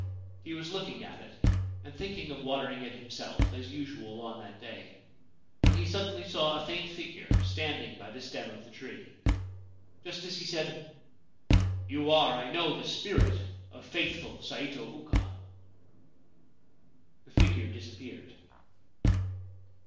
He was looking at it, and thinking of water ing it himself, as usual on that day, when he suddenly saw a faint figure standing by the stem of the tree. Just as he said, ' You are, I know, the spirit of faithful Saito Ukon/ the figure disappeared.